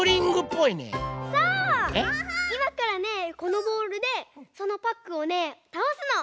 いまからねこのボールでそのパックをねたおすの！